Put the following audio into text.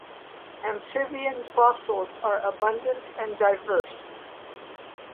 Amphibian fossils are abundant and diverse.